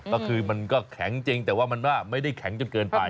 ก็คือมันก็แข็งจริงแต่ว่ามันว่าไม่ได้แข็งจนเกินไป